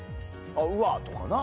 「うわ！」とかな。